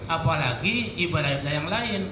apalagi ibadah yang lainnya